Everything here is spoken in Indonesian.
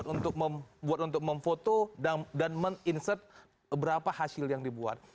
itu buat untuk memfoto dan meninsert berapa hasil yang dibuat